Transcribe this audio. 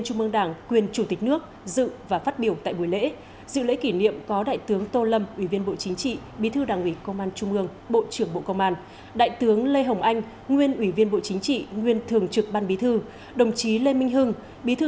hãy đăng ký kênh để ủng hộ kênh của chúng mình nhé